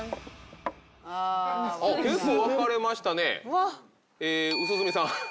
結構分かれましたね。